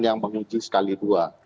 yang menguji sekali dua